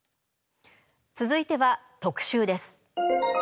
続いては特集です。